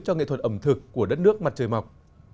cho nghệ thuật ẩm thực của đất nước mặt trời mọc